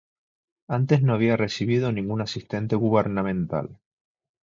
Antes no había recibido ningún asistente gubernamental.